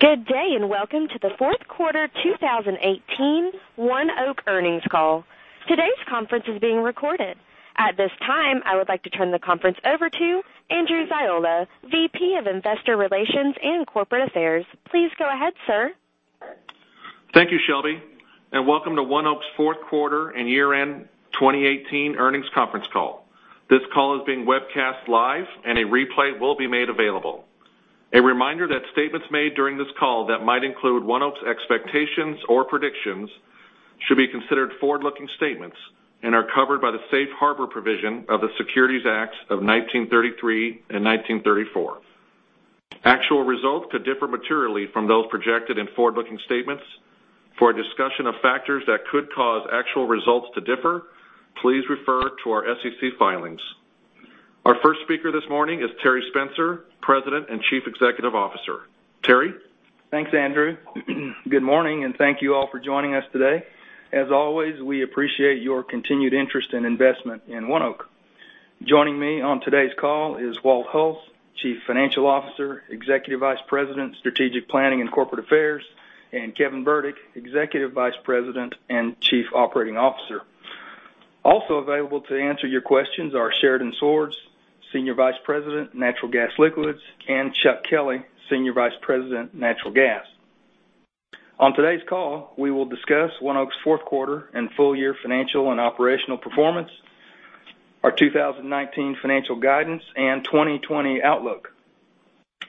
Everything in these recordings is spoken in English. Good day. Welcome to the fourth quarter 2018 ONEOK earnings call. Today's conference is being recorded. At this time, I would like to turn the conference over to Andrew Ziola, VP of Investor Relations and Corporate Affairs. Please go ahead, sir. Thank you, Shelby. Welcome to ONEOK's fourth quarter and year-end 2018 earnings conference call. This call is being webcast live. A replay will be made available. A reminder that statements made during this call that might include ONEOK's expectations or predictions should be considered forward-looking statements and are covered by the Safe Harbor provision of the Securities Act of 1933 and the Securities Exchange Act of 1934. Actual results could differ materially from those projected in forward-looking statements. For a discussion of factors that could cause actual results to differ, please refer to our SEC filings. Our first speaker this morning is Terry Spencer, President and Chief Executive Officer. Terry? Thanks, Andrew. Good morning. Thank you all for joining us today. As always, we appreciate your continued interest and investment in ONEOK. Joining me on today's call is Walt Hulse, Chief Financial Officer, Executive Vice President, Strategic Planning and Corporate Affairs, and Kevin Burdick, Executive Vice President and Chief Operating Officer. Also available to answer your questions are Sheridan Swords, Senior Vice President, Natural Gas Liquids, and Chuck Kelley, Senior Vice President, Natural Gas. On today's call, we will discuss ONEOK's fourth quarter and full-year financial and operational performance, our 2019 financial guidance and 2020 outlook,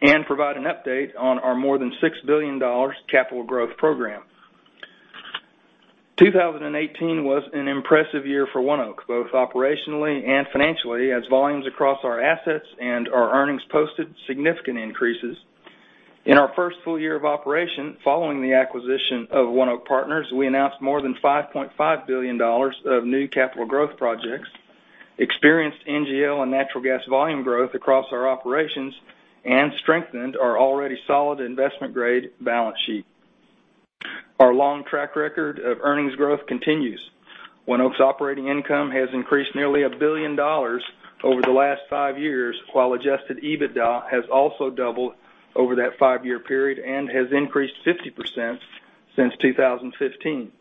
and provide an update on our more than $6 billion capital growth program. 2018 was an impressive year for ONEOK, both operationally and financially, as volumes across our assets and our earnings posted significant increases. In our first full year of operation following the acquisition of ONEOK Partners, we announced more than $5.5 billion of new capital growth projects, experienced NGL and natural gas volume growth across our operations, and strengthened our already solid investment-grade balance sheet. Our long track record of earnings growth continues. ONEOK's operating income has increased nearly a billion dollars over the last five years, while adjusted EBITDA has also doubled over that five-year period and has increased 50% since 2015.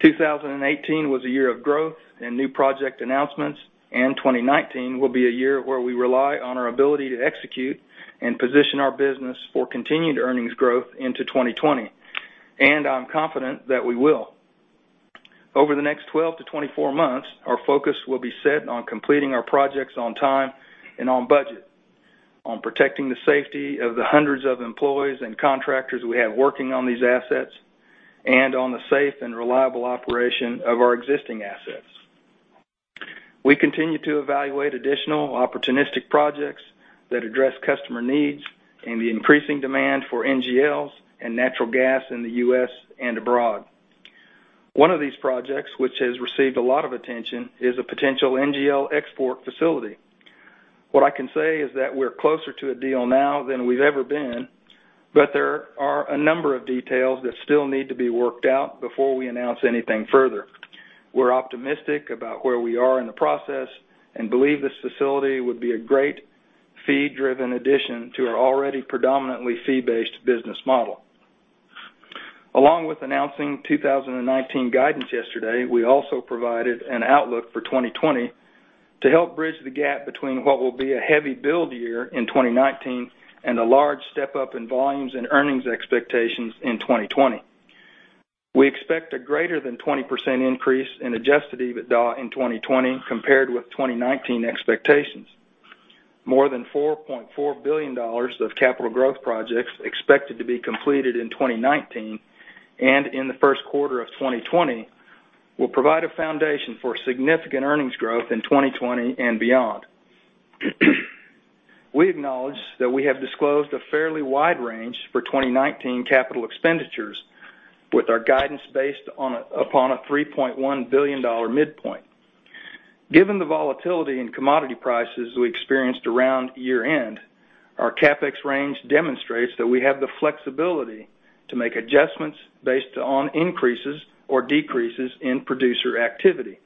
2018 was a year of growth and new project announcements, and 2019 will be a year where we rely on our ability to execute and position our business for continued earnings growth into 2020, and I'm confident that we will. Over the next 12 to 24 months, our focus will be set on completing our projects on time and on budget, on protecting the safety of the hundreds of employees and contractors we have working on these assets, and on the safe and reliable operation of our existing assets. We continue to evaluate additional opportunistic projects that address customer needs and the increasing demand for NGLs and natural gas in the U.S. and abroad. One of these projects, which has received a lot of attention, is a potential NGL export facility. What I can say is that we're closer to a deal now than we've ever been, there are a number of details that still need to be worked out before we announce anything further. We're optimistic about where we are in the process and believe this facility would be a great fee-driven addition to our already predominantly fee-based business model. Along with announcing 2019 guidance yesterday, we also provided an outlook for 2020 to help bridge the gap between what will be a heavy build year in 2019 and a large step-up in volumes and earnings expectations in 2020. We expect a greater than 20% increase in adjusted EBITDA in 2020 compared with 2019 expectations. More than $4.4 billion of capital growth projects expected to be completed in 2019 and in the first quarter of 2020 will provide a foundation for significant earnings growth in 2020 and beyond. We acknowledge that we have disclosed a fairly wide range for 2019 capital expenditures with our guidance based upon a $3.1 billion midpoint. Given the volatility in commodity prices we experienced around year-end, our CapEx range demonstrates that we have the flexibility to make adjustments based on increases or decreases in producer activity.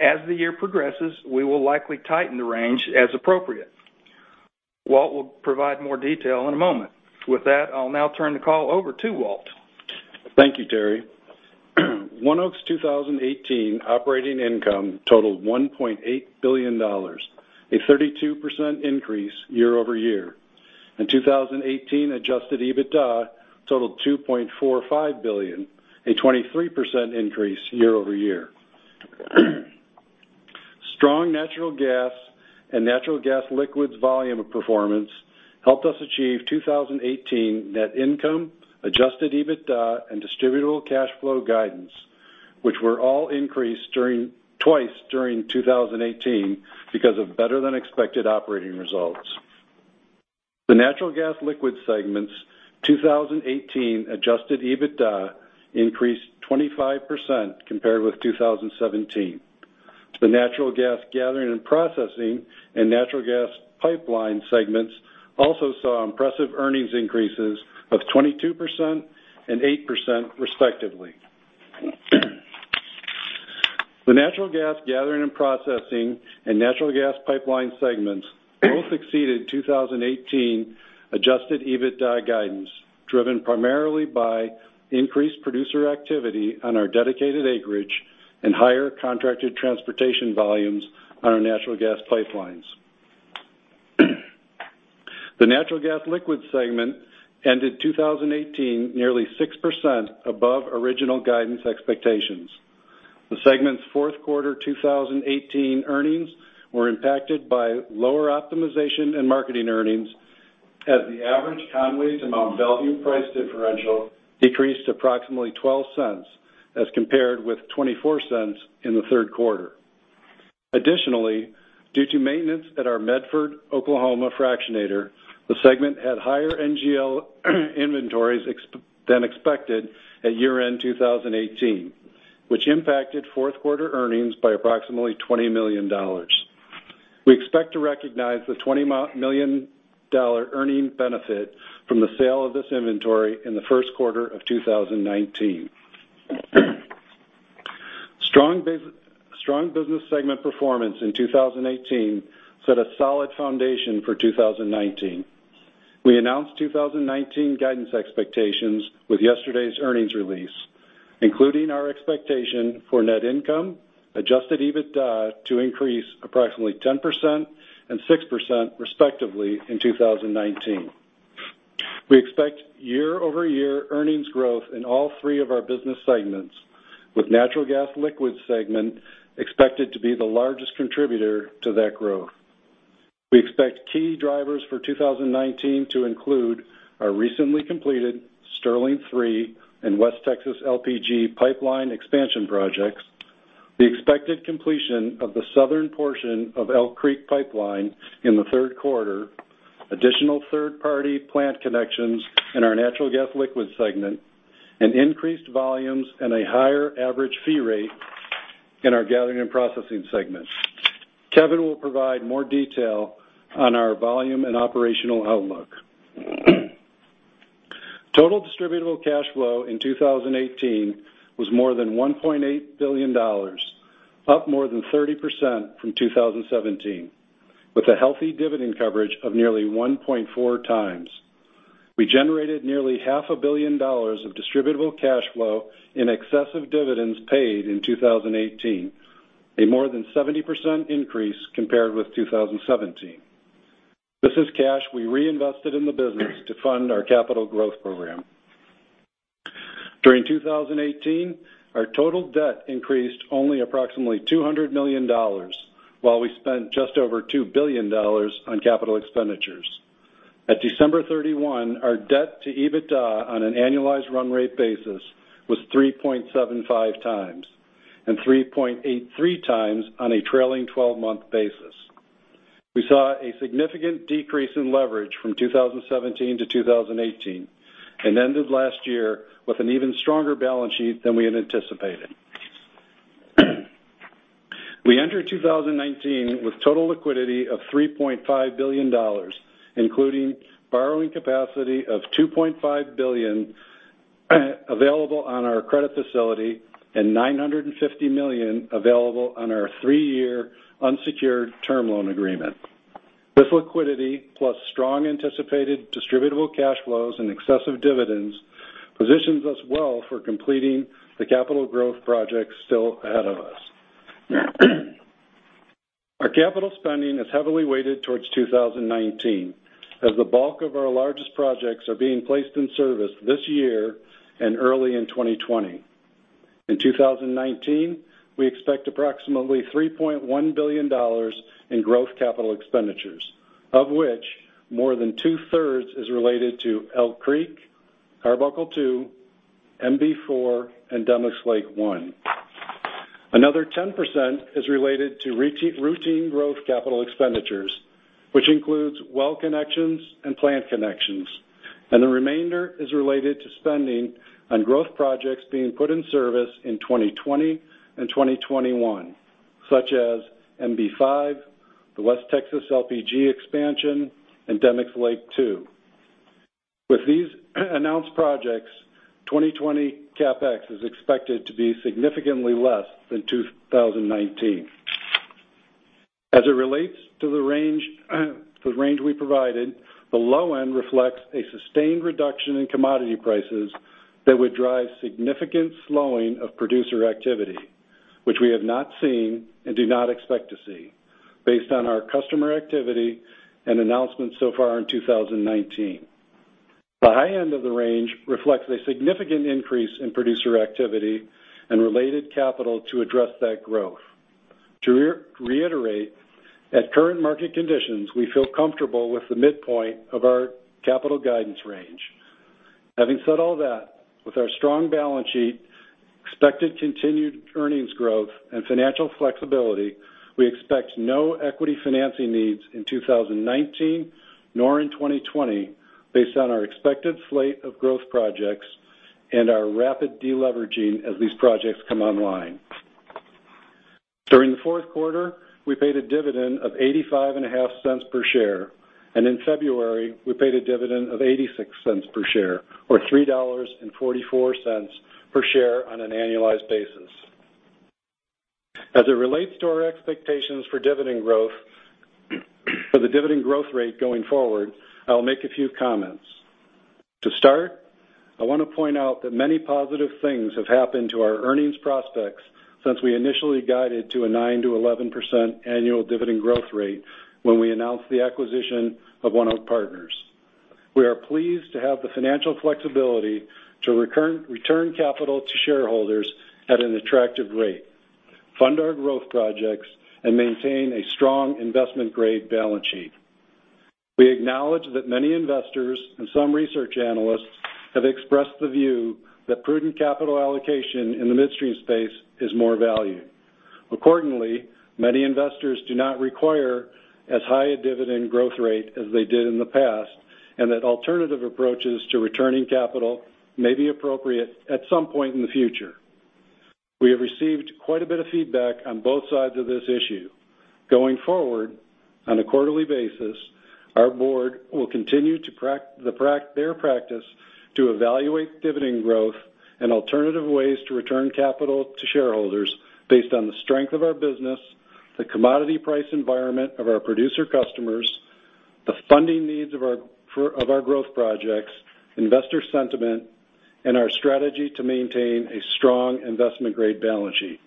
As the year progresses, we will likely tighten the range as appropriate. Walt will provide more detail in a moment. With that, I'll now turn the call over to Walt. Thank you, Terry. ONEOK's 2018 operating income totaled $1.8 billion, a 32% increase year-over-year, and 2018 adjusted EBITDA totaled $2.45 billion, a 23% increase year-over-year. Strong natural gas and natural gas liquids volume performance helped us achieve 2018 net income, adjusted EBITDA, and distributable cash flow guidance, which were all increased twice during 2018 because of better-than-expected operating results. The natural gas liquids segment's 2018 adjusted EBITDA increased 25% compared with 2017. The natural gas gathering and processing and natural gas pipeline segments also saw impressive earnings increases of 22% and 8% respectively. The natural gas Gathering and Processing and natural gas pipeline segments both exceeded 2018 adjusted EBITDA guidance, driven primarily by increased producer activity on our dedicated acreage and higher contracted transportation volumes on our natural gas pipelines. The natural gas liquids segment ended 2018 nearly 6% above original guidance expectations. The segment's fourth quarter 2018 earnings were impacted by lower optimization and marketing earnings as the average Conway-to-Mont Belvieu price differential decreased approximately $0.12 as compared with $0.24 in the third quarter. Additionally, due to maintenance at our Medford, Oklahoma fractionator, the segment had higher NGL inventories than expected at year-end 2018, which impacted fourth-quarter earnings by approximately $20 million. We expect to recognize the $20 million earnings benefit from the sale of this inventory in the first quarter of 2019. Strong business segment performance in 2018 set a solid foundation for 2019. We announced 2019 guidance expectations with yesterday's earnings release, including our expectation for net income, adjusted EBITDA to increase approximately 10% and 6%, respectively, in 2019. We expect year-over-year earnings growth in all three of our business segments, with the natural gas liquids segment expected to be the largest contributor to that growth. We expect key drivers for 2019 to include our recently completed Sterling III and West Texas LPG pipeline expansion projects, the expected completion of the southern portion of Elk Creek Pipeline in the third quarter, additional third-party plant connections in our natural gas liquids segment, and increased volumes and a higher average fee rate in our Gathering and Processing segment. Kevin will provide more detail on our volume and operational outlook. Total distributable cash flow in 2018 was more than $1.8 billion, up more than 30% from 2017, with a healthy dividend coverage of nearly 1.4 times. We generated nearly half a billion dollars of distributable cash flow in excessive dividends paid in 2018, a more than 70% increase compared with 2017. This is cash we reinvested in the business to fund our capital growth program. During 2018, our total debt increased only approximately $200 million, while we spent just over $2 billion on capital expenditures. At December 31, our debt to EBITDA on an annualized run rate basis was 3.75 times, and 3.83 times on a trailing 12-month basis. We saw a significant decrease in leverage from 2017 to 2018 and ended last year with an even stronger balance sheet than we had anticipated. We enter 2019 with total liquidity of $3.5 billion, including borrowing capacity of $2.5 billion available on our credit facility and $950 million available on our three-year unsecured term loan agreement. This liquidity, plus strong anticipated distributable cash flows and excessive dividends, positions us well for completing the capital growth projects still ahead of us. Our capital spending is heavily weighted towards 2019 as the bulk of our largest projects are being placed in service this year and early in 2020. In 2019, we expect approximately $3.1 billion in growth capital expenditures, of which more than two-thirds is related to Elk Creek, Arbuckle II, MB-4, and Demicks Lake I. Another 10% is related to routine growth capital expenditures, which includes well connections and plant connections, and the remainder is related to spending on growth projects being put in service in 2020 and 2021, such as MB-5, the West Texas LPG expansion, and Demicks Lake II. With these announced projects, 2020 CapEx is expected to be significantly less than 2019. As it relates to the range we provided, the low end reflects a sustained reduction in commodity prices that would drive significant slowing of producer activity, which we have not seen and do not expect to see based on our customer activity and announcements so far in 2019. The high end of the range reflects a significant increase in producer activity and related capital to address that growth. To reiterate, at current market conditions, we feel comfortable with the midpoint of our capital guidance range. Having said all that, with our strong balance sheet, expected continued earnings growth and financial flexibility, we expect no equity financing needs in 2019 nor in 2020 based on our expected slate of growth projects and our rapid de-leveraging as these projects come online. During the fourth quarter, we paid a dividend of $0.855 per share, and in February, we paid a dividend of $0.86 per share or $3.44 per share on an annualized basis. As it relates to our expectations for the dividend growth rate going forward, I'll make a few comments. I want to point out that many positive things have happened to our earnings prospects since we initially guided to a 9%-11% annual dividend growth rate when we announced the acquisition of ONEOK Partners. We are pleased to have the financial flexibility to return capital to shareholders at an attractive rate, fund our growth projects, and maintain a strong investment-grade balance sheet. We acknowledge that many investors and some research analysts have expressed the view that prudent capital allocation in the midstream space is more valued. Many investors do not require as high a dividend growth rate as they did in the past, and that alternative approaches to returning capital may be appropriate at some point in the future. We have received quite a bit of feedback on both sides of this issue. Going forward, on a quarterly basis, our board will continue their practice to evaluate dividend growth and alternative ways to return capital to shareholders based on the strength of our business, the commodity price environment of our producer customers, the funding needs of our growth projects, investor sentiment, and our strategy to maintain a strong investment-grade balance sheet.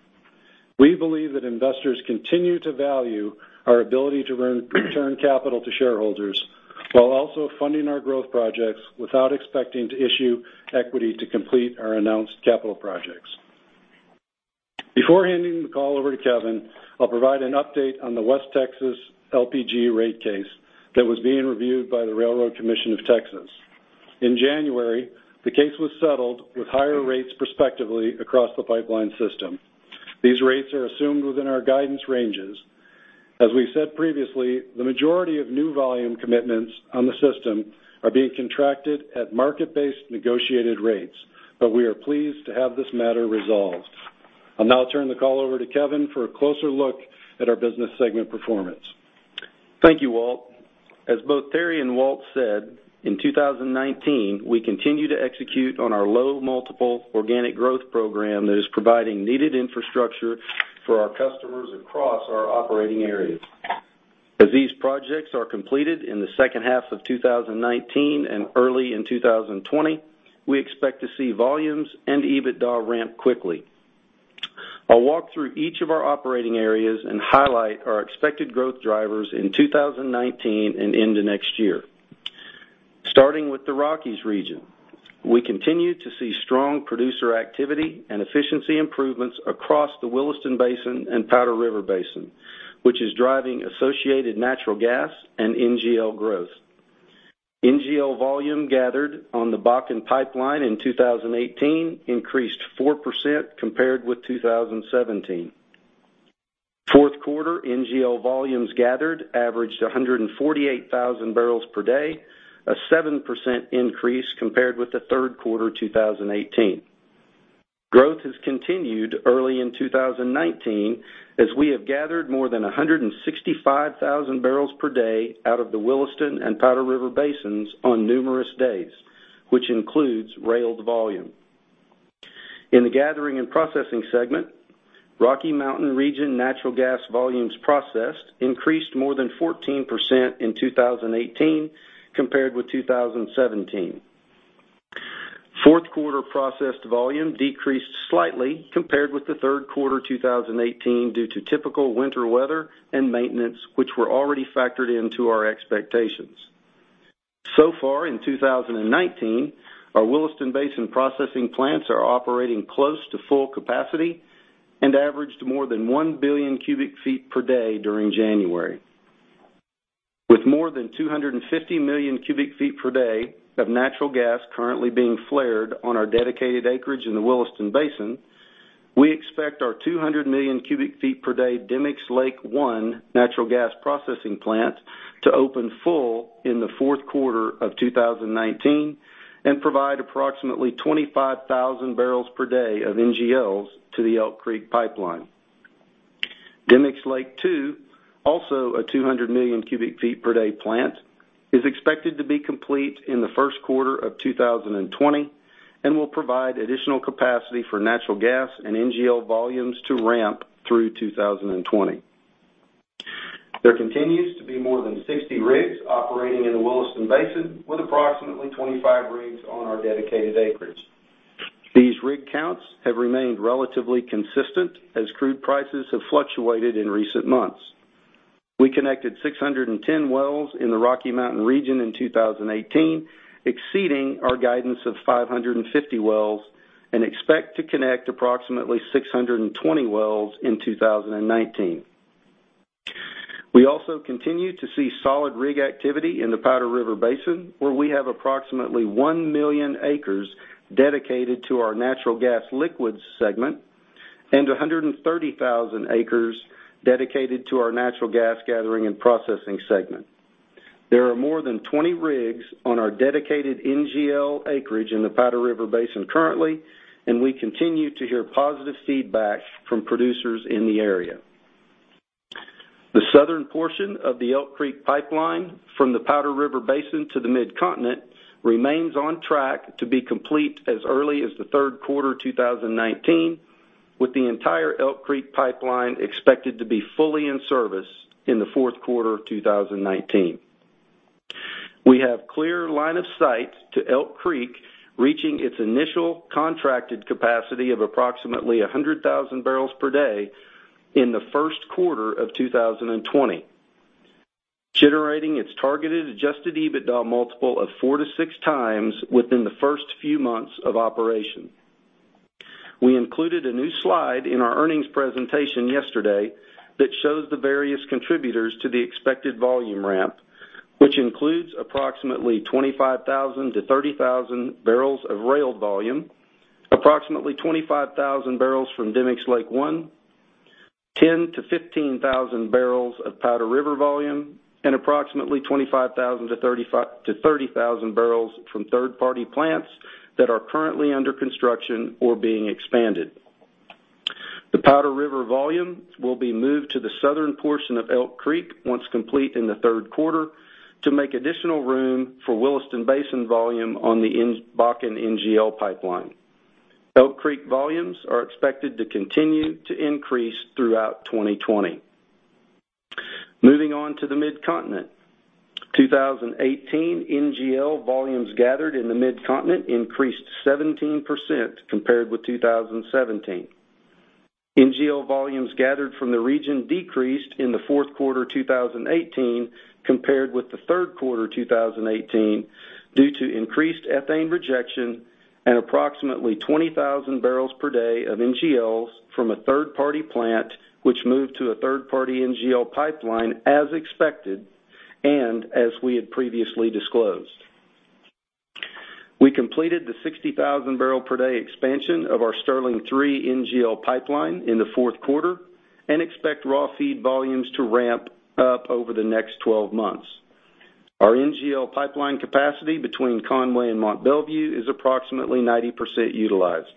We believe that investors continue to value our ability to return capital to shareholders while also funding our growth projects without expecting to issue equity to complete our announced capital projects. Before handing the call over to Kevin, I'll provide an update on the West Texas LPG rate case that was being reviewed by the Railroad Commission of Texas. In January, the case was settled with higher rates prospectively across the pipeline system. These rates are assumed within our guidance ranges. As we said previously, the majority of new volume commitments on the system are being contracted at market-based negotiated rates, but we are pleased to have this matter resolved. I'll now turn the call over to Kevin for a closer look at our business segment performance. Thank you, Walt. As both Terry and Walt said, in 2019, we continue to execute on our low multiple organic growth program that is providing needed infrastructure for our customers across our operating areas. As these projects are completed in the second half of 2019 and early in 2020, we expect to see volumes and EBITDA ramp quickly. I'll walk through each of our operating areas and highlight our expected growth drivers in 2019 and into next year. Starting with the Rockies region. We continue to see strong producer activity and efficiency improvements across the Williston Basin and Powder River Basin, which is driving associated natural gas and NGL growth. NGL volume gathered on the Bakken pipeline in 2018 increased 4% compared with 2017. Fourth quarter NGL volumes gathered averaged 148,000 barrels per day, a 7% increase compared with the third quarter 2018. Growth has continued early in 2019, as we have gathered more than 165,000 barrels per day out of the Williston and Powder River Basins on numerous days, which includes railed volume. In the gathering and processing segment, Rocky Mountain Region natural gas volumes processed increased more than 14% in 2018 compared with 2017. Fourth quarter processed volume decreased slightly compared with the third quarter 2018 due to typical winter weather and maintenance, which were already factored into our expectations. So far in 2019, our Williston Basin processing plants are operating close to full capacity and averaged more than 1 billion cubic feet per day during January. With more than 250 million cubic feet per day of natural gas currently being flared on our dedicated acreage in the Williston Basin, we expect our 200 million cubic feet per day Demicks Lake I natural gas processing plant to open full in the fourth quarter of 2019 and provide approximately 25,000 barrels per day of NGLs to the Elk Creek Pipeline. Demicks Lake II, also a 200 million cubic feet per day plant, is expected to be complete in the first quarter of 2020 and will provide additional capacity for natural gas and NGL volumes to ramp through 2020. There continues to be more than 60 rigs operating in the Williston Basin with approximately 25 rigs on our dedicated acreage. These rig counts have remained relatively consistent as crude prices have fluctuated in recent months. We connected 610 wells in the Rocky Mountain region in 2018, exceeding our guidance of 550 wells, and expect to connect approximately 620 wells in 2019. We also continue to see solid rig activity in the Powder River Basin, where we have approximately 1 million acres dedicated to our natural gas liquids segment and 130,000 acres dedicated to our natural gas gathering and processing segment. There are more than 20 rigs on our dedicated NGL acreage in the Powder River Basin currently, and we continue to hear positive feedback from producers in the area. The southern portion of the Elk Creek Pipeline from the Powder River Basin to the Mid-Continent remains on track to be complete as early as the third quarter 2019, with the entire Elk Creek Pipeline expected to be fully in service in the fourth quarter of 2019. We have clear line of sight to Elk Creek reaching its initial contracted capacity of approximately 100,000 barrels per day in the first quarter of 2020, generating its targeted adjusted EBITDA multiple of four to six times within the first few months of operation. We included a new slide in our earnings presentation yesterday that shows the various contributors to the expected volume ramp, which includes approximately 25,000 to 30,000 barrels of rail volume, approximately 25,000 barrels from Demicks Lake I, 10,000 to 15,000 barrels of Powder River volume, and approximately 25,000 to 30,000 barrels from third-party plants that are currently under construction or being expanded. The Powder River volume will be moved to the southern portion of Elk Creek once complete in the third quarter to make additional room for Williston Basin volume on the Bakken NGL Pipeline. Elk Creek volumes are expected to continue to increase throughout 2020. Moving on to the Mid-Continent. 2018 NGL volumes gathered in the Mid-Continent increased 17% compared with 2017. NGL volumes gathered from the region decreased in the fourth quarter 2018 compared with the third quarter 2018 due to increased ethane rejection and approximately 20,000 barrels per day of NGLs from a third-party plant, which moved to a third-party NGL pipeline as expected, and as we had previously disclosed. We completed the 60,000 barrel per day expansion of our Sterling III NGL Pipeline in the fourth quarter, and expect raw feed volumes to ramp up over the next 12 months. Our NGL pipeline capacity between Conway and Mont Belvieu is approximately 90% utilized.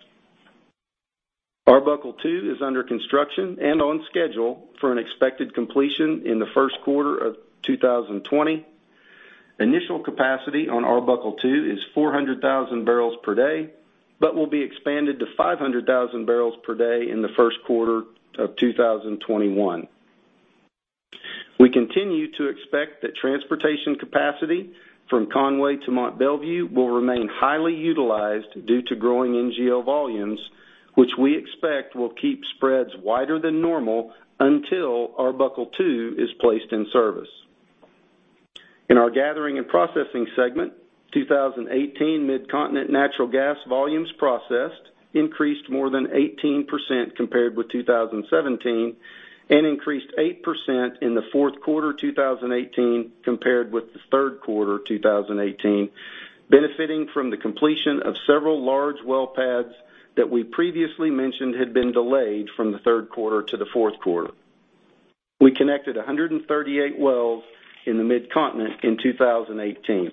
Arbuckle II is under construction and on schedule for an expected completion in the first quarter of 2020. Initial capacity on Arbuckle II is 400,000 barrels per day, but will be expanded to 500,000 barrels per day in the first quarter of 2021. We continue to expect that transportation capacity from Conway to Mont Belvieu will remain highly utilized due to growing NGL volumes, which we expect will keep spreads wider than normal until Arbuckle II is placed in service. In our gathering and processing segment, 2018 Mid-Continent natural gas volumes processed increased more than 18% compared with 2017, and increased 8% in the fourth quarter 2018 compared with the third quarter 2018, benefiting from the completion of several large well pads that we previously mentioned had been delayed from the third quarter to the fourth quarter. We connected 138 wells in the Mid-Continent in 2018.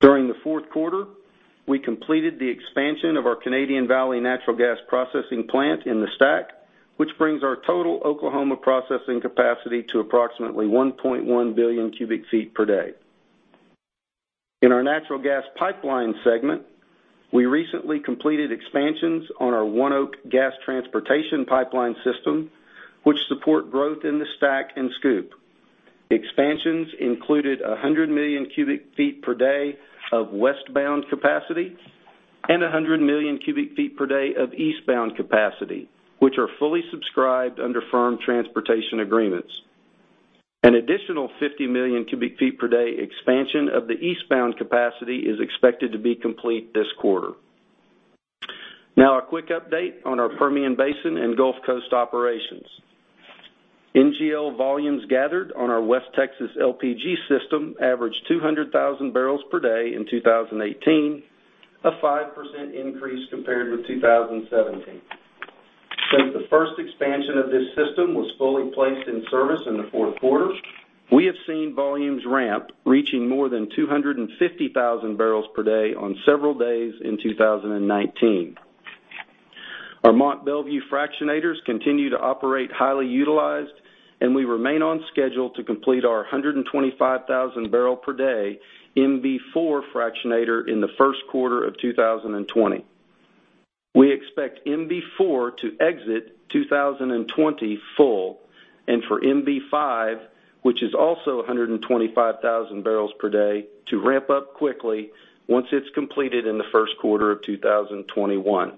During the fourth quarter, we completed the expansion of our Canadian Valley natural gas processing plant in the STACK, which brings our total Oklahoma processing capacity to approximately 1.1 billion cubic feet per day. In our natural gas pipeline segment, we recently completed expansions on our ONEOK Gas Transportation pipeline system, which support growth in the STACK and SCOOP. Expansions included 100 million cubic feet per day of westbound capacity and 100 million cubic feet per day of eastbound capacity, which are fully subscribed under firm transportation agreements. An additional 50 million cubic feet per day expansion of the eastbound capacity is expected to be complete this quarter. A quick update on our Permian Basin and Gulf Coast operations. NGL volumes gathered on our West Texas LPG system averaged 200,000 barrels per day in 2018, a 5% increase compared with 2017. Since the first expansion of this system was fully placed in service in the fourth quarter, we have seen volumes ramp, reaching more than 250,000 barrels per day on several days in 2019. Our Mont Belvieu fractionators continue to operate highly utilized, and we remain on schedule to complete our 125,000 barrel per day MB-4 fractionator in the first quarter of 2020. We expect MB-4 to exit 2020 full, and for MB-5, which is also 125,000 barrels per day, to ramp up quickly once it's completed in the first quarter of 2021.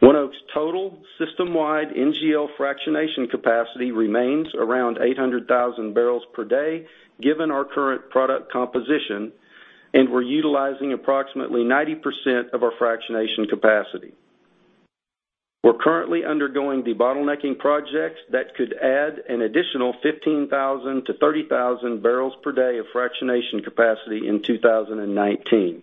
ONEOK's total system-wide NGL fractionation capacity remains around 800,000 barrels per day, given our current product composition, and we're utilizing approximately 90% of our fractionation capacity. We're currently undergoing de-bottlenecking projects that could add an additional 15,000 to 30,000 barrels per day of fractionation capacity in 2019.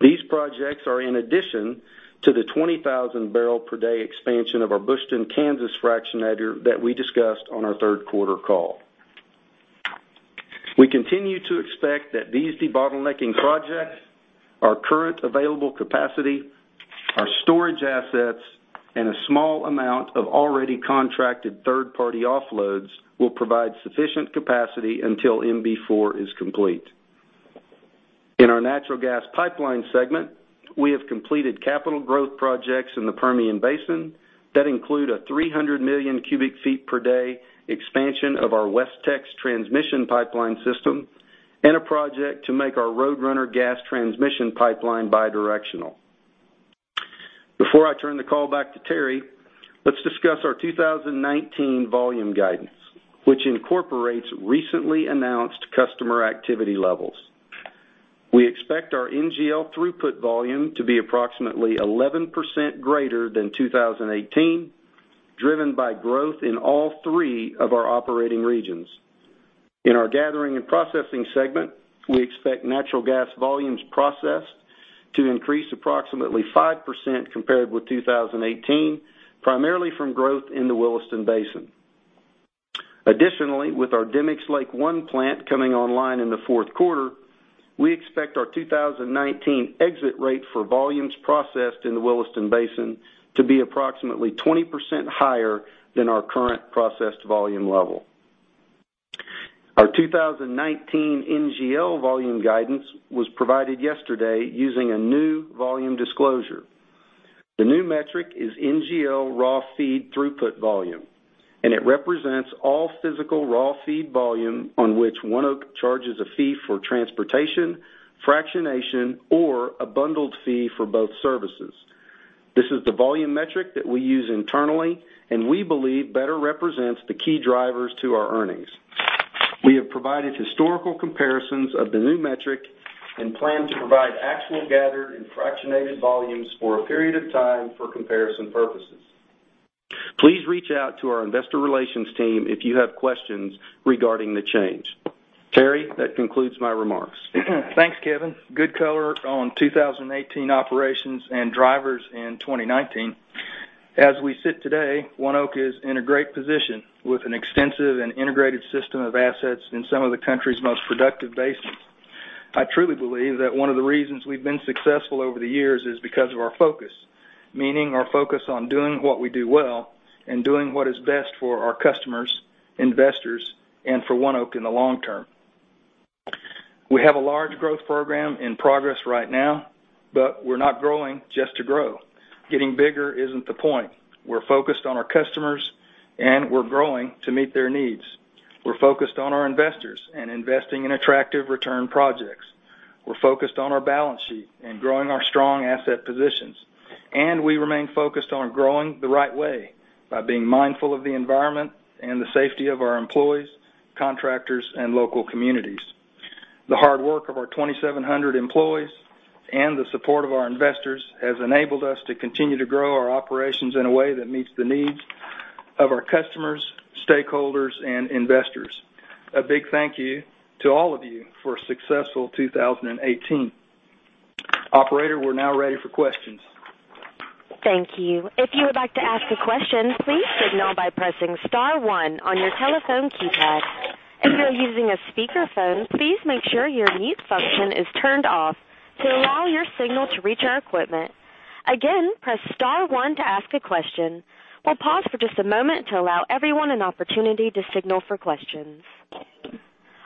These projects are in addition to the 20,000 barrel per day expansion of our Bushton, Kansas fractionator that we discussed on our third quarter call. We continue to expect that these debottlenecking projects, our current available capacity, our storage assets, and a small amount of already contracted third-party offloads will provide sufficient capacity until MB-4 is complete. In our natural gas pipeline segment, we have completed capital growth projects in the Permian Basin that include a 300 million cubic feet per day expansion of our ONEOK WesTex Transmission pipeline system, and a project to make our Roadrunner Gas Transmission pipeline bi-directional. Before I turn the call back to Terry, let's discuss our 2019 volume guidance, which incorporates recently announced customer activity levels. We expect our NGL throughput volume to be approximately 11% greater than 2018, driven by growth in all three of our operating regions. In our gathering and processing segment, we expect natural gas volumes processed to increase approximately 5% compared with 2018, primarily from growth in the Williston Basin. Additionally, with our Demicks Lake I plant coming online in the fourth quarter, we expect our 2019 exit rate for volumes processed in the Williston Basin to be approximately 20% higher than our current processed volume level. Our 2019 NGL volume guidance was provided yesterday using a new volume disclosure. The new metric is NGL raw feed throughput volume, and it represents all physical raw feed volume on which ONEOK charges a fee for transportation, fractionation, or a bundled fee for both services. This is the volume metric that we use internally and we believe better represents the key drivers to our earnings. We have provided historical comparisons of the new metric and plan to provide actual gathered and fractionated volumes for a period of time for comparison purposes. Please reach out to our investor relations team if you have questions regarding the change. Terry, that concludes my remarks. Thanks, Kevin. Good color on 2018 operations and drivers in 2019. As we sit today, ONEOK is in a great position with an extensive and integrated system of assets in some of the country's most productive basins. I truly believe that one of the reasons we've been successful over the years is because of our focus, meaning our focus on doing what we do well and doing what is best for our customers, investors, and for ONEOK in the long term. We have a large growth program in progress right now, but we're not growing just to grow. Getting bigger isn't the point. We're focused on our customers, and we're growing to meet their needs. We're focused on our investors and investing in attractive return projects. We're focused on our balance sheet and growing our strong asset positions. We remain focused on growing the right way by being mindful of the environment and the safety of our 2,700 employees, contractors, and local communities. The hard work of our 2,700 employees and the support of our investors has enabled us to continue to grow our operations in a way that meets the needs of our customers, stakeholders, and investors. A big thank you to all of you for a successful 2018. Operator, we're now ready for questions. Thank you. If you would like to ask a question, please signal by pressing *1 on your telephone keypad. If you are using a speakerphone, please make sure your mute function is turned off to allow your signal to reach our equipment. Again, press *1 to ask a question. We'll pause for just a moment to allow everyone an opportunity to signal for questions.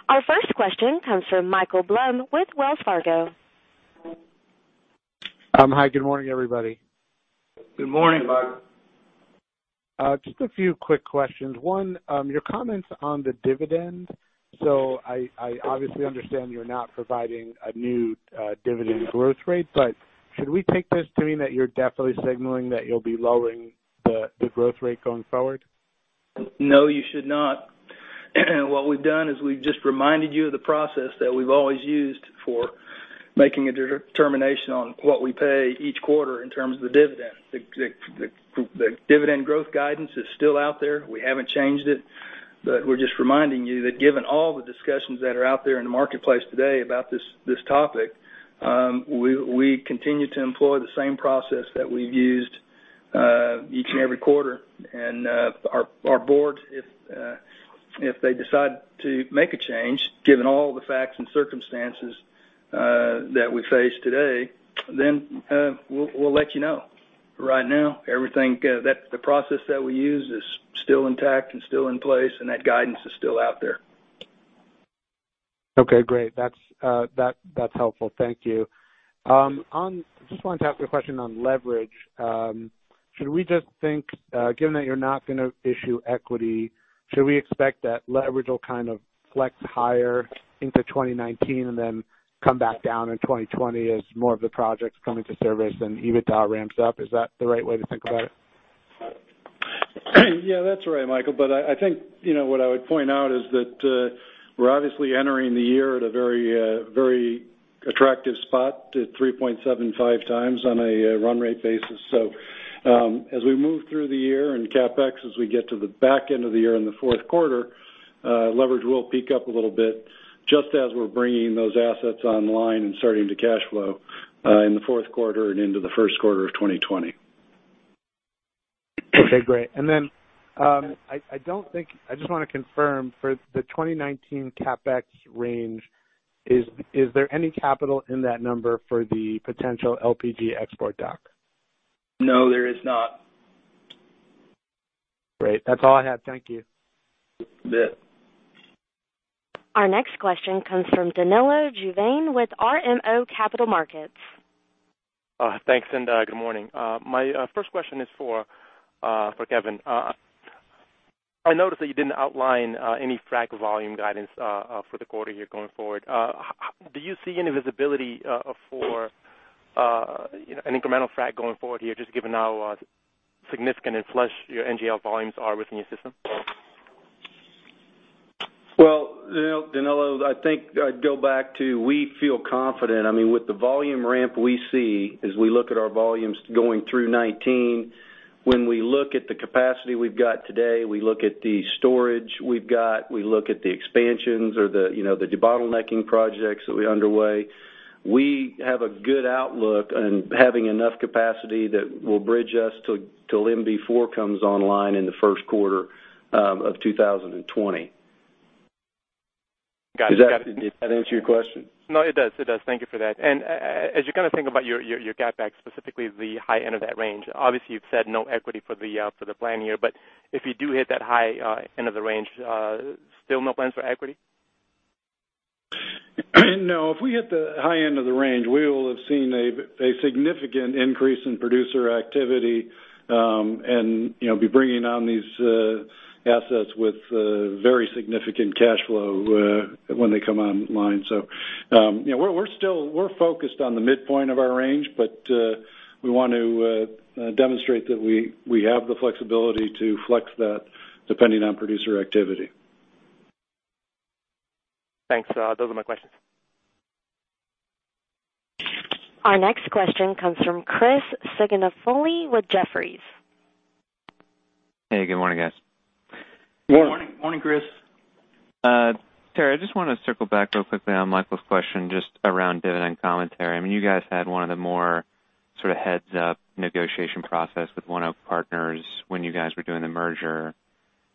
Our first question comes from Michael Blum with Wells Fargo. Hi, good morning, everybody. Good morning, Mike. Just a few quick questions. One, your comments on the dividend. I obviously understand you're not providing a new dividend growth rate, should we take this to mean that you're definitely signaling that you'll be lowering the growth rate going forward? No, you should not. What we've done is we've just reminded you of the process that we've always used for making a determination on what we pay each quarter in terms of the dividend. The dividend growth guidance is still out there. We haven't changed it. We're just reminding you that given all the discussions that are out there in the marketplace today about this topic, we continue to employ the same process that we've used each and every quarter. Our board, if they decide to make a change, given all the facts and circumstances that we face today, then we'll let you know. Right now, the process that we use is still intact and still in place, and that guidance is still out there. Okay, great. That's helpful. Thank you. I just wanted to ask you a question on leverage. Should we just think, given that you're not going to issue equity, should we expect that leverage will kind of flex higher into 2019 and then come back down in 2020 as more of the projects come into service and EBITDA ramps up? Is that the right way to think about it? Yeah, that's right, Michael. I think what I would point out is that we're obviously entering the year at a very attractive spot to 3.75 times on a run rate basis. As we move through the year in CapEx, as we get to the back end of the year in the fourth quarter leverage will peak up a little bit just as we're bringing those assets online and starting to cash flow in the fourth quarter and into the first quarter of 2020. Okay, great. I just want to confirm for the 2019 CapEx range, is there any capital in that number for the potential LPG export dock? No, there is not. Great. That's all I have. Thank you. You bet. Our next question comes from Danilo Juvane with BMO Capital Markets. Thanks. Good morning. My first question is for Kevin. I noticed that you didn't outline any frac volume guidance for the quarter year going forward. Do you see any visibility for an incremental frac going forward here, just given how significant and flush your NGL volumes are within your system? Danilo, I'd go back to we feel confident. With the volume ramp we see as we look at our volumes going through 2019, when we look at the capacity we've got today, we look at the storage we've got, we look at the expansions or the debottlenecking projects that are underway. We have a good outlook and having enough capacity that will bridge us till MB-4 comes online in the first quarter of 2020. Got it. Does that answer your question? No, it does. Thank you for that. As you're thinking about your CapEx, specifically the high end of that range, obviously you've said no equity for the plan year, but if you do hit that high end of the range, still no plans for equity? No. If we hit the high end of the range, we will have seen a significant increase in producer activity, and be bringing on these assets with very significant cash flow when they come online. We're focused on the midpoint of our range, but we want to demonstrate that we have the flexibility to flex that depending on producer activity. Thanks. Those are my questions. Our next question comes from Chris Sighinolfi with Jefferies. Hey, good morning, guys. Morning. Morning, Chris. Terry, I just want to circle back real quickly on Michael's question just around dividend commentary. You guys had one of the more sort of heads up negotiation process with ONEOK Partners when you guys were doing the merger,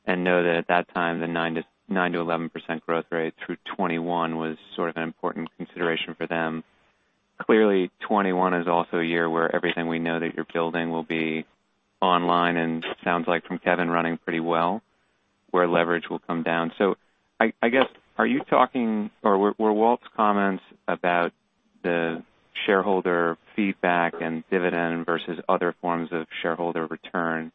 and know that at that time, the 9%-11% growth rate through 2021 was sort of an important consideration for them. Clearly 2021 is also a year where everything we know that you're building will be online and sounds like from Kevin running pretty well, where leverage will come down. I guess were Walt's comments about the shareholder feedback and dividend versus other forms of shareholder return,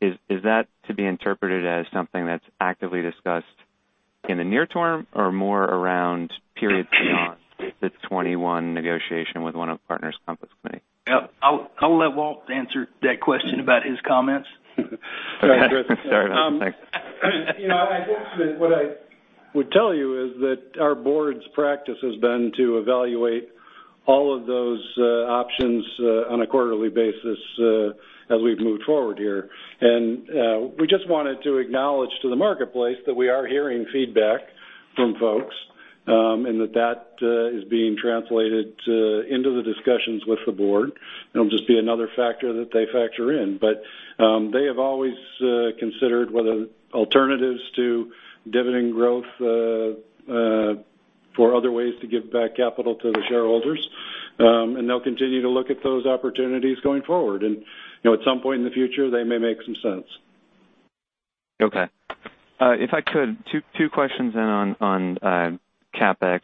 is that to be interpreted as something that's actively discussed in the near term or more around periods beyond the 2021 negotiation with ONEOK Partners compensation committee? I'll let Walt answer that question about his comments. Sorry. Thanks. I think that what I would tell you is that our board's practice has been to evaluate all of those options on a quarterly basis as we've moved forward here. We just wanted to acknowledge to the marketplace that we are hearing feedback from folks. That is being translated into the discussions with the board. It'll just be another factor that they factor in. They have always considered whether alternatives to dividend growth for other ways to give back capital to the shareholders. They'll continue to look at those opportunities going forward. At some point in the future, they may make some sense. Okay. If I could, two questions then on CapEx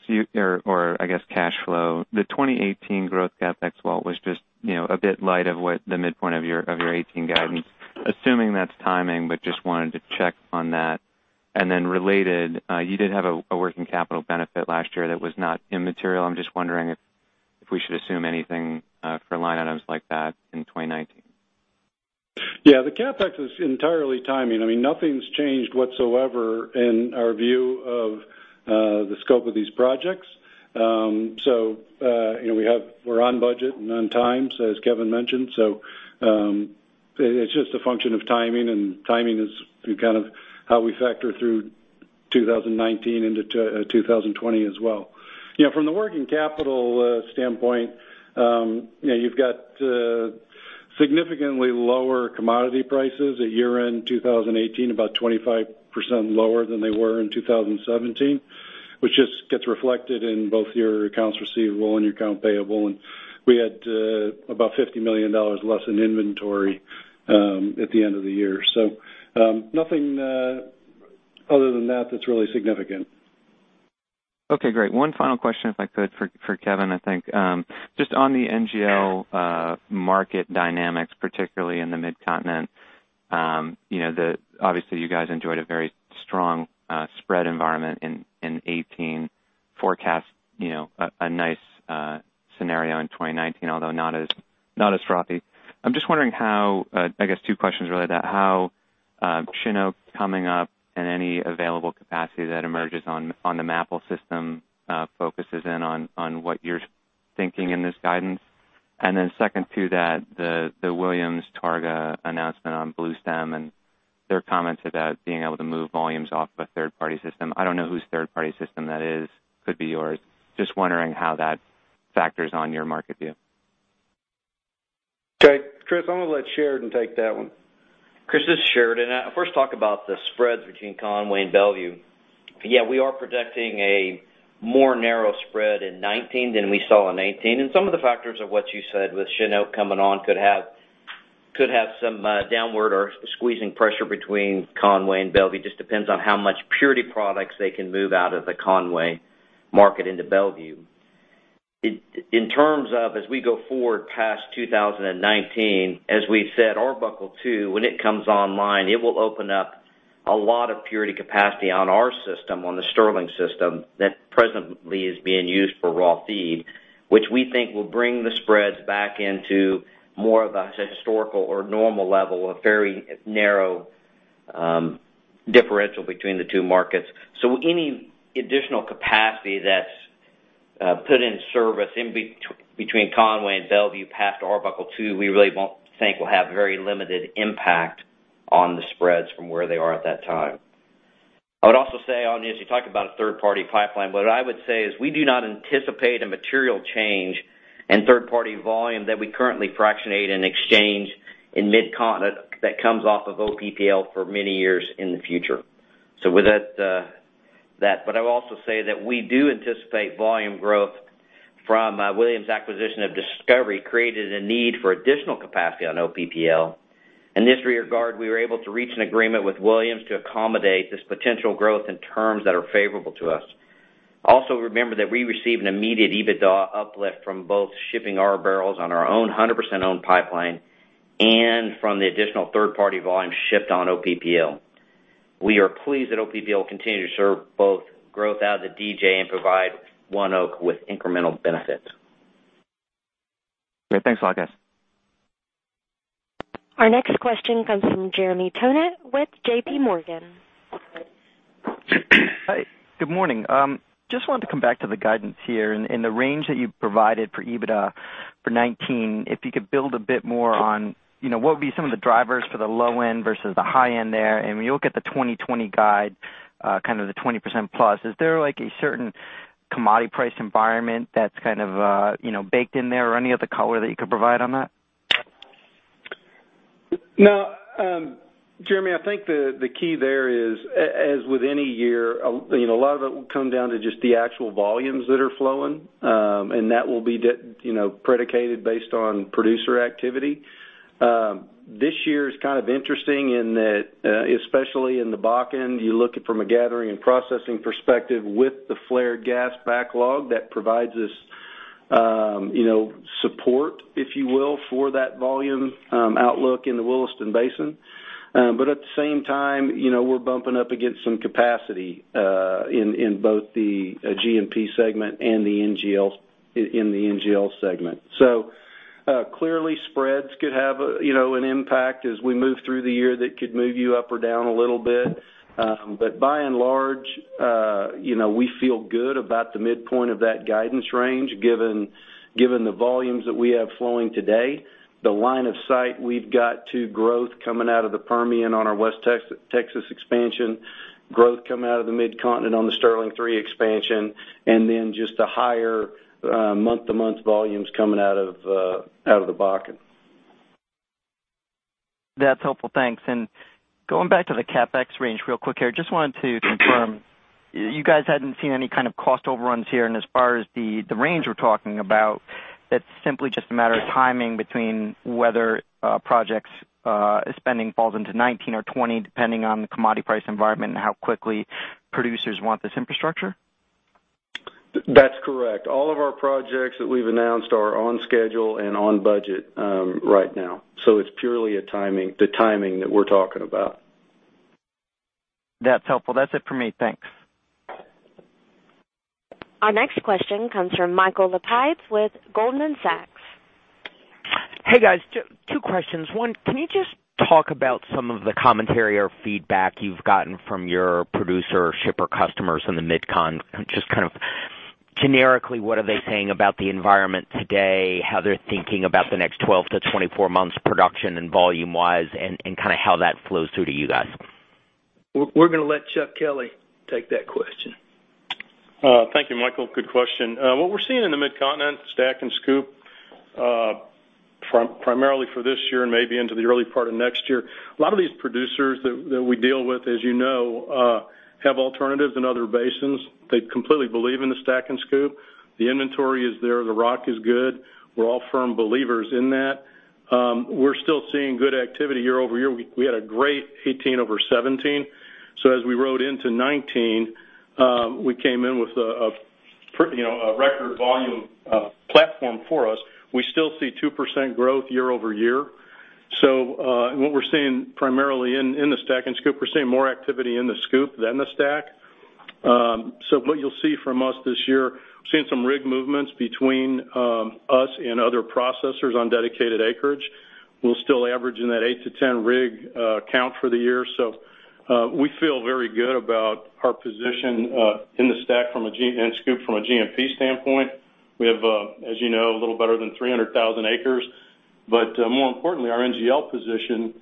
or I guess cash flow. The 2018 growth CapEx, Walt, was just a bit light of what the midpoint of your 2018 guidance. Assuming that's timing. Just wanted to check on that. Related, you did have a working capital benefit last year that was not immaterial. I'm just wondering if we should assume anything for line items like that in 2019. The CapEx is entirely timing. Nothing's changed whatsoever in our view of the scope of these projects. We're on budget and on time, as Kevin mentioned. It's just a function of timing. Timing is kind of how we factor through 2019 into 2020 as well. From the working capital standpoint, you've got significantly lower commodity prices at year-end 2018, about 25% lower than they were in 2017, which just gets reflected in both your accounts receivable and your account payable. We had about $50 million less in inventory at the end of the year. Nothing other than that that's really significant. Okay, great. One final question, if I could, for Kevin, I think. Just on the NGL market dynamics, particularly in the Mid-Continent. Obviously you guys enjoyed a very strong spread environment in 2018. Forecast a nice scenario in 2019, although not as frothy. I guess two questions really about how Cheniere coming up and any available capacity that emerges on the MAPL system focuses in on what you're thinking in this guidance. Second to that, the Williams-Targa announcement on Bluestem and their comments about being able to move volumes off of a third-party system. I don't know whose third-party system that is. Could be yours. Just wondering how that factors on your market view. Okay, Chris, I'm going to let Sheridan take that one. Chris, this is Sheridan. I first talk about the spreads between Conway and Belvieu. We are projecting a more narrow spread in 2019 than we saw in 2018, and some of the factors are what you said with Cheniere coming on could have some downward or squeezing pressure between Conway and Belvieu. Depends on how much purity products they can move out of the Conway market into Belvieu. As we go forward past 2019, as we've said, Arbuckle II, when it comes online, it will open up a lot of purity capacity on our system, on the Sterling system, that presently is being used for raw feed, which we think will bring the spreads back into more of a, say, historical or normal level. A very narrow differential between the two markets. Any additional capacity that's put in service in between Conway and Belvieu past Arbuckle II, we really think will have very limited impact on the spreads from where they are at that time. I would also say on this, you talked about a third-party pipeline. What I would say is we do not anticipate a material change in third-party volume that we currently fractionate in exchange in Mid-Continent that comes off of OPPL for many years in the future. I would also say that we do anticipate volume growth from Williams' acquisition of Discovery created a need for additional capacity on OPPL. In this regard, we were able to reach an agreement with Williams to accommodate this potential growth in terms that are favorable to us. Also remember that we receive an immediate EBITDA uplift from both shipping our barrels on our own 100% owned pipeline and from the additional third-party volume shipped on OPPL. We are pleased that OPPL continue to serve both growth out of the DJ and provide ONEOK with incremental benefits. Yeah, thanks a lot, guys. Our next question comes from Jeremy Tonet with J.P. Morgan. Hi, good morning. Just wanted to come back to the guidance here and the range that you provided for EBITDA for 2019. If you could build a bit more on what would be some of the drivers for the low end versus the high end there? When you look at the 2020 guide, kind of the 20%+, is there like a certain commodity price environment that's kind of baked in there or any other color that you could provide on that? No, Jeremy, I think the key there is, as with any year, a lot of it will come down to just the actual volumes that are flowing. That will be predicated based on producer activity. This year is kind of interesting in that, especially in the back end, you look from a gathering and processing perspective with the flared gas backlog that provides us support, if you will, for that volume outlook in the Williston Basin. At the same time, we're bumping up against some capacity in both the G&P segment and in the NGL segment. Clearly spreads could have an impact as we move through the year that could move you up or down a little bit. By and large, we feel good about the midpoint of that guidance range, given the volumes that we have flowing today. The line of sight we've got to growth coming out of the Permian on our West Texas expansion, growth coming out of the Mid-Continent on the Sterling III expansion, just the higher month-to-month volumes coming out of the Bakken. That's helpful. Thanks. Going back to the CapEx range real quick here. Just wanted to confirm, you guys hadn't seen any kind of cost overruns here, as far as the range we're talking about, it's simply just a matter of timing between whether projects spending falls into 2019 or 2020, depending on the commodity price environment and how quickly producers want this infrastructure? That's correct. All of our projects that we've announced are on schedule and on budget right now. It's purely the timing that we're talking about. That's helpful. That's it for me. Thanks. Our next question comes from Michael Lapides with Goldman Sachs. Hey, guys. Two questions. One, can you just talk about some of the commentary or feedback you've gotten from your producer or shipper customers in the MidCon? Just kind of generically, what are they saying about the environment today, how they're thinking about the next 12-24 months production and volume wise, and kind of how that flows through to you guys. We're going to let Chuck Kelley take that question. Thank you, Michael. Good question. What we're seeing in the Mid-Continent STACK and SCOOP, primarily for this year and maybe into the early part of next year, a lot of these producers that we deal with, as you know, have alternatives in other basins. They completely believe in the STACK and SCOOP. The inventory is there. The rock is good. We're all firm believers in that. We're still seeing good activity year-over-year. We had a great 2018 over 2017. As we rode into 2019, we came in with a record volume platform for us. We still see 2% growth year-over-year. What we're seeing primarily in the STACK and SCOOP, we're seeing more activity in the SCOOP than the STACK. What you'll see from us this year, we're seeing some rig movements between us and other processors on dedicated acreage. We'll still average in that 8 to 10 rig count for the year. We feel very good about our position in the STACK and SCOOP from a G&P standpoint. We have, as you know, a little better than 300,000 acres. More importantly, our NGL position,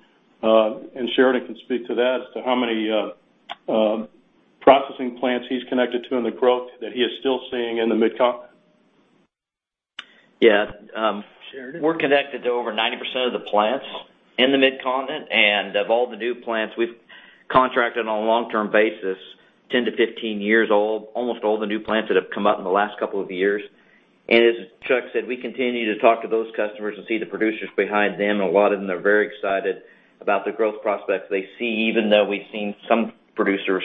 and Sheridan can speak to that as to how many processing plants he's connected to and the growth that he is still seeing in the Mid-Continent. Yeah. Sheridan. We're connected to over 90% of the plants in the Mid-Continent, of all the new plants we've contracted on a long-term basis, 10-15 years old, almost all the new plants that have come up in the last couple of years. As Chuck said, we continue to talk to those customers and see the producers behind them, a lot of them are very excited about the growth prospects they see, even though we've seen some producers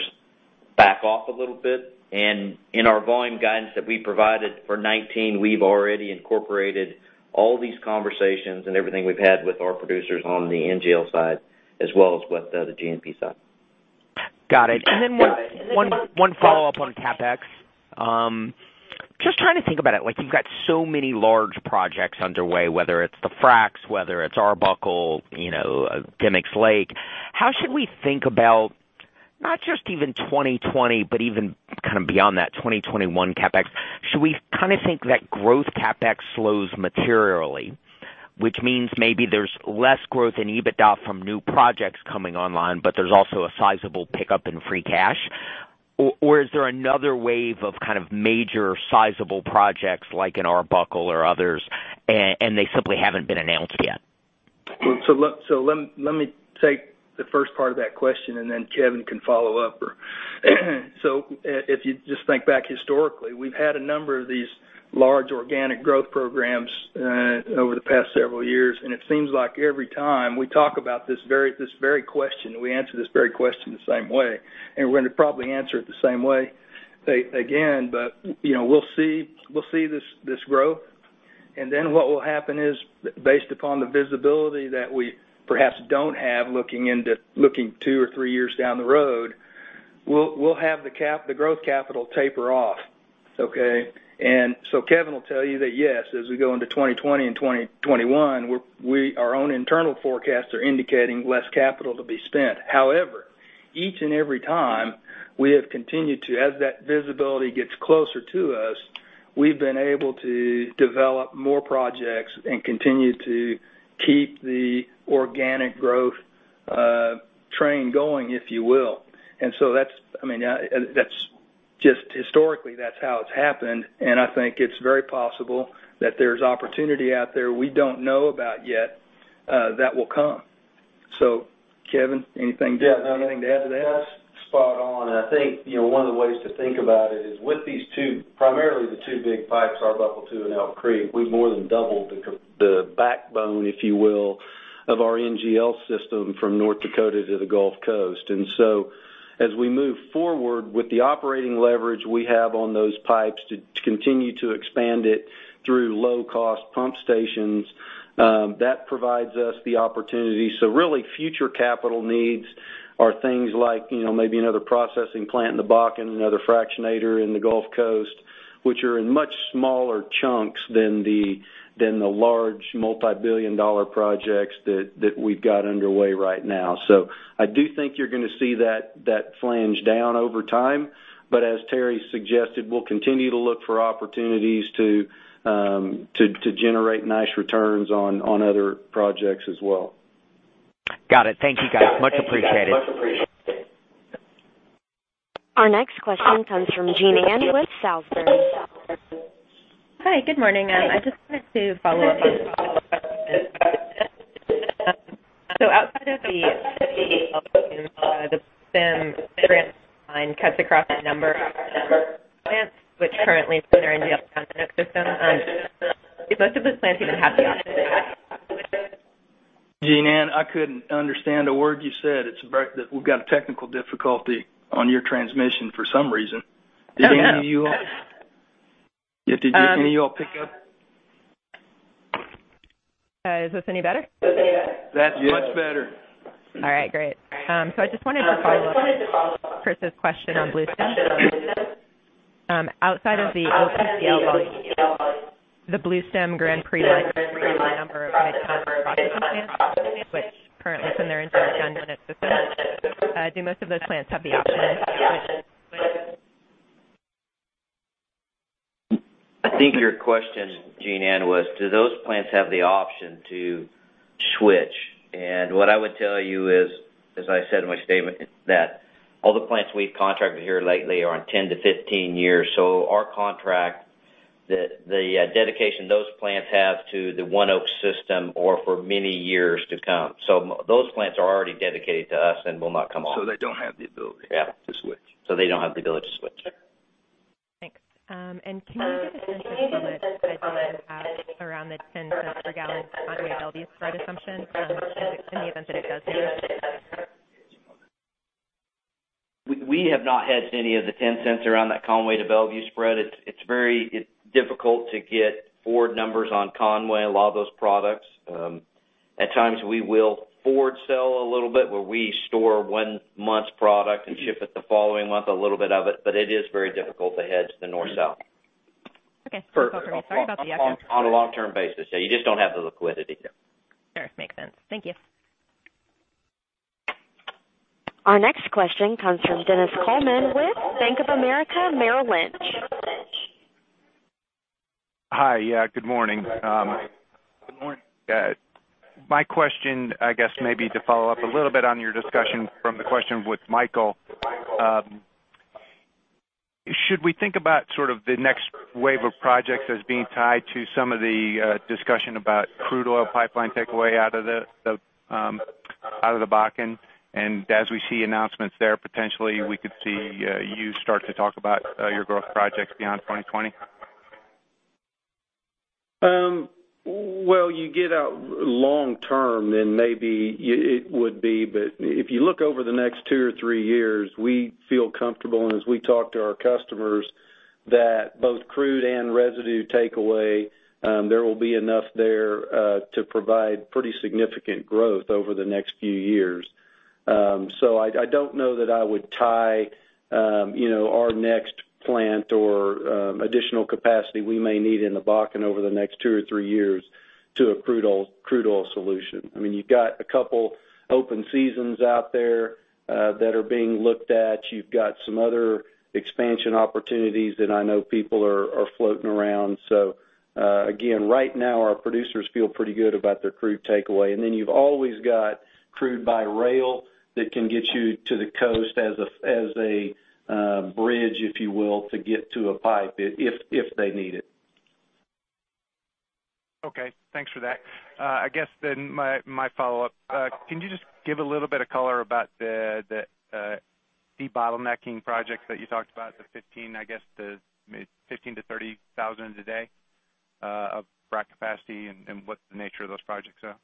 back off a little bit. In our volume guidance that we provided for 2019, we've already incorporated all these conversations and everything we've had with our producers on the NGL side as well as with the G&P side. Got it. One follow-up on CapEx. Just trying to think about it, you've got so many large projects underway, whether it's the fracs, whether it's Arbuckle, Demicks Lake. How should we think about, not just even 2020, but even kind of beyond that 2021 CapEx? Should we think that growth CapEx slows materially, which means maybe there's less growth in EBITDA from new projects coming online, but there's also a sizable pickup in free cash? Or is there another wave of kind of major sizable projects like in Arbuckle or others, and they simply haven't been announced yet? Let me take the first part of that question, and then Kevin can follow up. If you just think back historically, we've had a number of these large organic growth programs over the past several years, and it seems like every time we talk about this very question, we answer this very question the same way, and we're going to probably answer it the same way again. We'll see this growth. What will happen is, based upon the visibility that we perhaps don't have looking two or three years down the road, we'll have the growth capital taper off. Okay? Kevin will tell you that yes, as we go into 2020 and 2021, our own internal forecasts are indicating less capital to be spent. However, each and every time, as that visibility gets closer to us, we've been able to develop more projects and continue to keep the organic growth train going, if you will. Just historically, that's how it's happened, and I think it's very possible that there's opportunity out there we don't know about yet that will come. Kevin, anything to add to that? Yes. Spot on. I think one of the ways to think about it is with these two, primarily the two big pipes, Arbuckle II and Elk Creek, we've more than doubled the backbone, if you will, of our NGL system from North Dakota to the Gulf Coast. As we move forward with the operating leverage we have on those pipes to continue to expand it through low-cost pump stations, that provides us the opportunity. Really future capital needs are things like maybe another processing plant in the Bakken, another fractionator in the Gulf Coast, which are in much smaller chunks than the large multi-billion dollar projects that we've got underway right now. I do think you're going to see that flange down over time. As Terry suggested, we'll continue to look for opportunities to generate nice returns on other projects as well. Got it. Thank you, guys. Much appreciated. Our next question comes from Jean Ann with Salisbury. Hi. Good morning. I just wanted to follow up on Chris. Outside of the cuts across a number of plants which currently put their NGLs on ONEOK system. Do most of those plants even have the option? Jean Ann, I couldn't understand a word you said. We've got a technical difficulty on your transmission for some reason. Oh, no. Did any of you all pick up? Is this any better? That's much better. All right, great. I just wanted to follow up on Chris's question on Bluestem Pipeline. Outside of the OPPL volume, the Bluestem Pipeline Grand Prix number of Mid-Continent processing plants, which currently send their into the ONEOK system. Do most of those plants have the option? I think your question, Jean Ann, was, do those plants have the option to switch? What I would tell you is, as I said in my statement, that all the plants we've contracted here lately are on 10 to 15 years. Our contract, the dedication those plants have to the ONEOK system are for many years to come. Those plants are already dedicated to us and will not come off. They don't have the ability- Yeah to switch. They don't have the ability to switch. Thanks. Can you give a sense of the lift that you might have around the $0.10 per gallon Conway Mont Belvieu spread assumption in the event that it does change? We have not hedged any of the $0.10 around that Conway to Mont Belvieu spread. It's difficult to get forward numbers on Conway, a lot of those products. At times we will forward sell a little bit where we store one month's product and ship it the following month, a little bit of it. It is very difficult to hedge the North-South. Okay. Sorry about the echo. On a long-term basis. Yeah, you just don't have the liquidity there. Sure. Makes sense. Thank you. Our next question comes from Dennis Coleman with Bank of America Merrill Lynch. Hi. Yeah, good morning. Good morning. My question, I guess maybe to follow up a little bit on your discussion from the question with Michael. Should we think about sort of the next wave of projects as being tied to some of the discussion about crude oil pipeline takeaway out of the Bakken? As we see announcements there, potentially we could see you start to talk about your growth projects beyond 2020? You get out long term, then maybe it would be. If you look over the next two or three years, we feel comfortable, and as we talk to our customers, that both crude and residue takeaway, there will be enough there to provide pretty significant growth over the next few years. I don't know that I would tie our next plant or additional capacity we may need in the Bakken over the next two or three years to a crude oil solution. You've got a couple open seasons out there that are being looked at. You've got some other expansion opportunities that I know people are floating around. Again, right now our producers feel pretty good about their crude takeaway. Then you've always got crude by rail that can get you to the coast as a bridge, if you will, to get to a pipe if they need it. Okay. Thanks for that. I guess my follow-up, can you just give a little bit of color about the de-bottlenecking projects that you talked about, the 15,000 a day-30,000 a day of frac capacity and what the nature of those projects are?